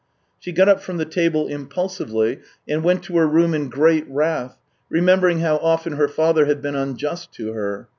She got up from the table impulsively, and went to her room in great wrath, remembering how often her father had been unjust to her.